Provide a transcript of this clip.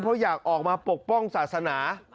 เพราะอยากออกมาปกป้องศาสนา